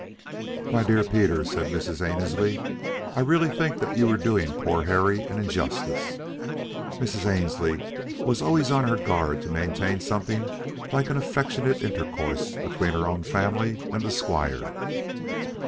"My dear Peter," said Mrs. Annesley, "I really think that you are doing poor Harry an injustice." Mrs. Annesley was always on her guard to maintain something like an affectionate intercourse between her own family and the squire.